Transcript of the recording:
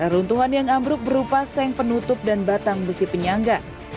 runtuhan yang ambruk berupa seng penutup dan batang besi penyangga